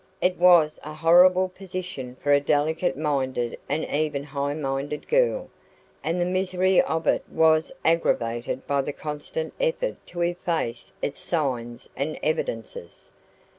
It was a horrible position for a delicate minded and even high minded girl, and the misery of it was aggravated by the constant effort to efface its signs and evidences.